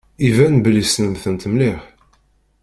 Iban belli tessnem-tent mliḥ.